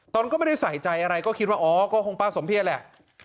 ตนก็ไม่ได้ใส่ใจอะไรก็คิดว่าอ๋อก็คงป้าสมเพศแหละ